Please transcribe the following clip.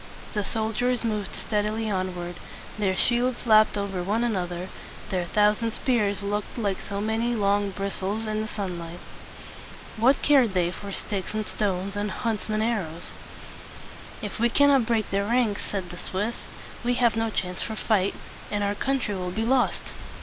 The soldiers moved stead i ly onward; their shields lapped over one another; their thousand spears looked like so many long bris tles in the sun light. What cared they for sticks and stones and hunts men's arrows? "If we cannot break their ranks," said the Swiss, "we have no chance for fight, and our country will be lost!"